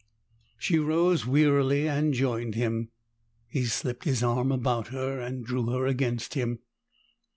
She rose wearily and joined him; he slipped his arm about her, and drew her against him.